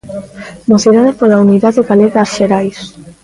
Mocidade pola unidade galega ás xerais.